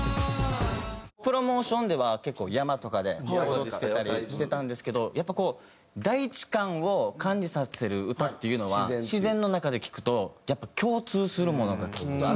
プロモーションでは結構山とかで踊ってたりしてたんですけどやっぱこう大地感を感じさせる歌っていうのは自然の中で聴くとやっぱ共通するものがきっとある。